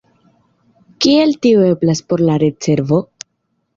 Kiel tio eblas, por la retservo?